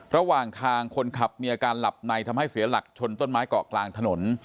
ระหว่างทางคนขับมีอาการหลับในทำให้เสียหลักชนต้นไม้เกาะกลางถนน